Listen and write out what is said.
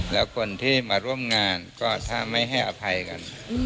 แล้วคนที่มาร่วมงานก็ถ้าไม่ให้อภัยกัน